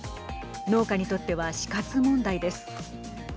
農家にとっては死活問題です。